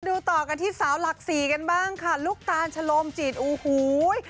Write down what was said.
ดูต่อกันที่สาวหลักสี่กันบ้างค่ะลูกตาลชะโลมจิตโอ้โห